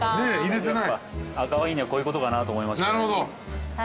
赤ワインにはこういうことかなと思いまして。